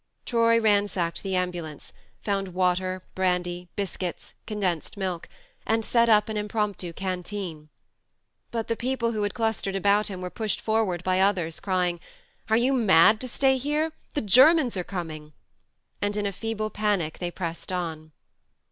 Troy ransacked the ambulance, found THE MARNE 117 water, brandy, biscuits, condensed milk, and set up an impromptu canteen. But the people who had clustered about him were pushed forward by others crying : "Are you mad to stay here? The Germans are coming !" and in a feeble panic they pressed on.